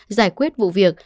giải quyết vụ việc